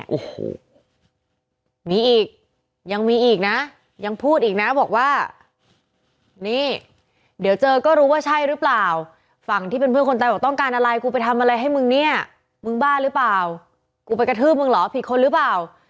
โอ้โหมีอีกยังมีอีกนะยังพูดอีกนะบอกว่านี่เดี๋ยวเจอก็รู้ว่าใช่หรือเปล่าฝั่งที่เป็นเพื่อนคนตายก็ต้องการอะไรกูไปทำอะไรให้มึงเนี่ยมึงบ้าหรือเปล่า